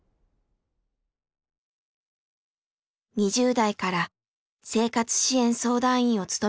２０代から生活支援相談員を務めていた竹内さん。